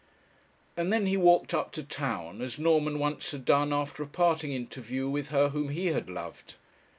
And then he walked up to town, as Norman once had done after a parting interview with her whom he had loved.